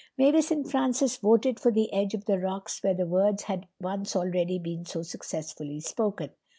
Mavis and Francis voted for the edge of the rocks where the words had once already been so successfully spoken.